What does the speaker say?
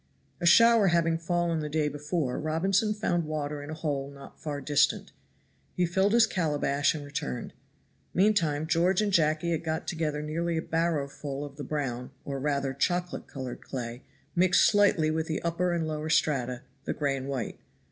A shower having fallen the day before, Robinson found water in a hole not far distant. He filled his calabash and returned; meantime George and Jacky had got together nearly a barrowful of the brown or rather chocolate colored clay, mixed slightly with the upper and lower strata, the gray and white.